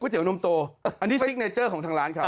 เตี๋นมโตอันนี้ซิกเนเจอร์ของทางร้านครับ